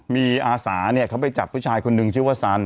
มีอาสาเขาไปจับผู้ชายคนนึงชื่อว่าสัน